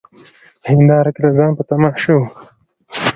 په هینداره کي د ځان په تماشا وه